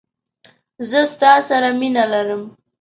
زه ستا سره مينه لرم.